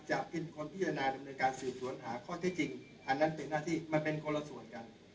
จะเป็นคนพิพยานายในการสืบหรือหาข้อใช้จริงอันนั้นเป็นหน้าที่มันเป็นคนละส่วนกัน